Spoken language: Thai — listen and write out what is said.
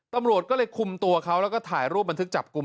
ตำรวจก็เลยคุมตัวเขาแล้วก็ถ่ายรูปบันทึกจับกลุ่ม